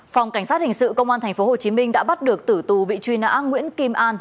phòng cảnh sát hình sự công an tp hcm đã bắt được tử tù bị truy nã nguyễn kim an